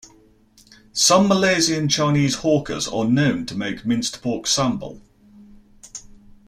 Some Malaysian Chinese hawkers are known to make minced pork sambal.